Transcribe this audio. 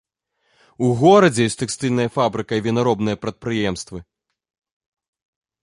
У горадзе ёсць тэкстыльная фабрыка і вінаробныя прадпрыемствы.